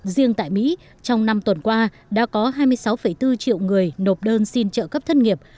riêng tại mỹ trong năm tuần qua đã có hai mươi sáu bốn triệu người nộp đơn xin trợ cấp thất nghiệp